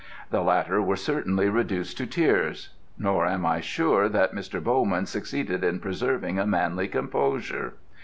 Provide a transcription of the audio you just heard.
The latter were certainly reduced to tears; nor am I sure that Mr. Bowman succeeded in preserving a manly composure.